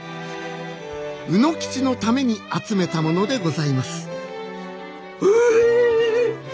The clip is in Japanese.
卯之吉のために集めたものでございますうえ！